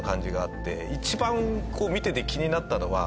一番見てて気になったのは。